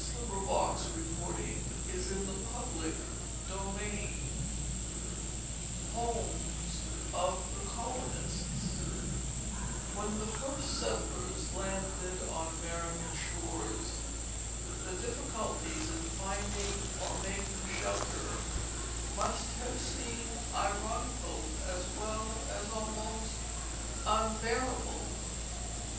Old time Flower Gardens 421 Home Life in Colonial Days CHAPTER I HOMES OF THE COLONISTS When the first settlers landed on American shores, the difficulties in finding or making shelter must have seemed ironical as well as almost unbearable.